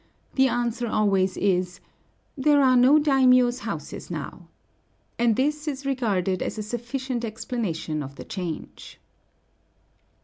the answer always is, "There are no daimiōs' houses now." And this is regarded as a sufficient explanation of the change.